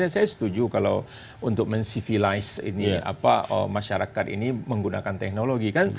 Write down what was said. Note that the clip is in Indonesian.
saya setuju kalau untuk mensivilize masyarakat ini menggunakan teknologi